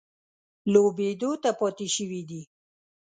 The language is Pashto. لوبېدو پاتې شوي دي.